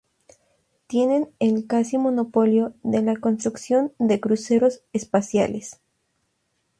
Tienen el casi monopolio de la construcción de cruceros espaciales.